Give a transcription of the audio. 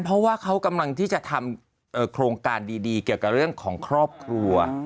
เพราะว่าเขากำลังที่จะทำโครงการดีเกี่ยวกับเรื่องของครอบครัว